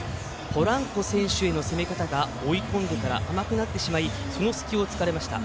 ポランコ選手への攻め方が追い込んでから甘くなってしまいその隙を突かれました。